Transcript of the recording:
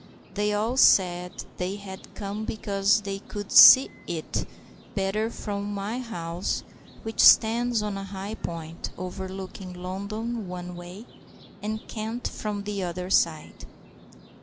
They all said they had come because they could see "it" better from my house, which stands on a high point, overlooking London one way, and Kent from the other side.